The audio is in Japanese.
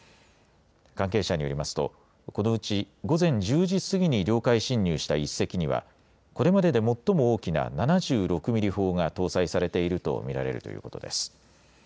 関係者によりますと、このうち午前１０時過ぎに領海侵入した１隻には、これまでで最も大きな７６ミリ砲が搭載されていると見られるということです。